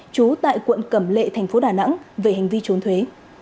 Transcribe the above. trú tại quận cẩm lệ tp đà nẵng về hành vi trốn thuế